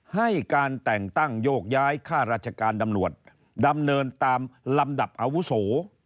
ให้การแต่งตั้งโยกย้ายค่าราชการตำรวจดำเนินตามลำดับอาวุโส